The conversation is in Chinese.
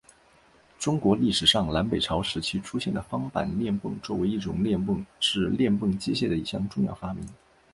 中国历史上南北朝时期出现的方板链泵作为一种链泵是泵类机械的一项重要发明。